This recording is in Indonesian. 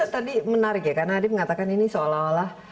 tadi menarik ya karena adib mengatakan ini seolah olah